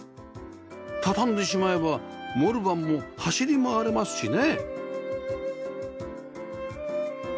畳んでしまえばモルバンも走り回れますしね